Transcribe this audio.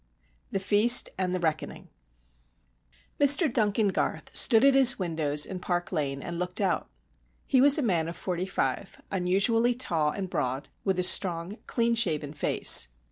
THE FEAST AND THE RECKONING Mr Duncan Garth stood at his windows in park Lane and looked out. He was a man of forty five, unusually tall and broad, with a strong, clean shaven face.